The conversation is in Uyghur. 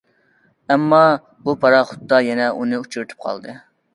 ئەمما، بۇ پاراخوتتا يەنە ئۇنى ئۇچرىتىپ قالدى.